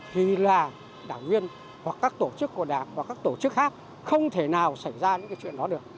thì là đảng viên hoặc các tổ chức của đảng và các tổ chức khác không thể nào xảy ra những cái chuyện đó được